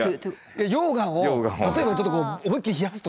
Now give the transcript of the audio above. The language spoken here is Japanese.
溶岩を例えば思いっ切り冷やすとか。